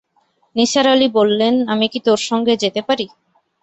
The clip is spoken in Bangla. নিসার আলি বললেন, আমি কি তোর সঙ্গে যেতে পারি?